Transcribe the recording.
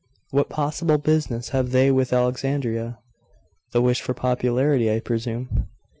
What possible business have they with Alexandria?' 'The wish for popularity, I presume.